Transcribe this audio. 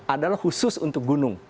adalah khusus untuk gunung